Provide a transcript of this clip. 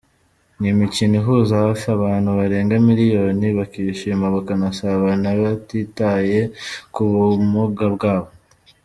Ni imikino ihuza hafi abantu barenga miliyoni, bakishima bakanasabana batitaye ku bumuga bwabo.